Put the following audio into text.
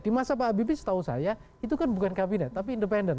di masa pak habibie setahu saya itu kan bukan kabinet tapi independen